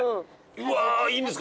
うわいいんですか？